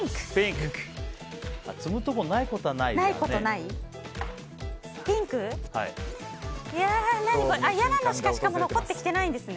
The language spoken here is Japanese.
積むところないことはないね。